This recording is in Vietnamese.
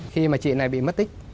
khi mà chị này bị mất tích